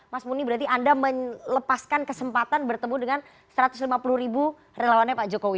mas muni berarti anda melepaskan kesempatan bertemu dengan satu ratus lima puluh ribu relawannya pak jokowi